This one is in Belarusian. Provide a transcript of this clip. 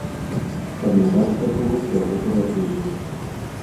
Таму варта было б яго перагледзець.